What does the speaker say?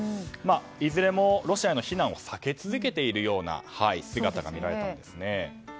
いずれも、ロシアへの非難を避け続けているような姿が見られたんです。